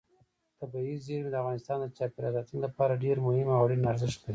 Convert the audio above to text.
طبیعي زیرمې د افغانستان د چاپیریال ساتنې لپاره ډېر مهم او اړین ارزښت لري.